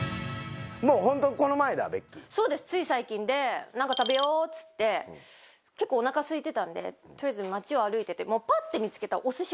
そうですつい最近で何か食べようっつって結構おなかすいてたんで取りあえず町を歩いててぱって見つけた。